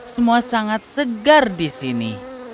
semua sangat segar di sini